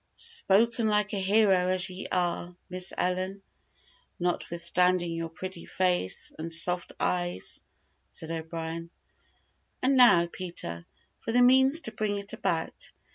"Spoken like a hero, as ye are, Miss Ellen, notwithstanding your pretty face and soft eyes," said O'Brien. "And now, Peter, for the means to bring it about.